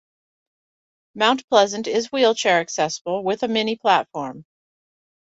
Mount Pleasant is wheelchair-accessible with a mini-platform.